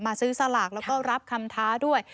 ซื้อสลากแล้วก็รับคำท้าด้วย